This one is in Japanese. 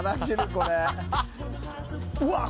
これうわっ